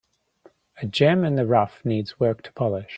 A gem in the rough needs work to polish.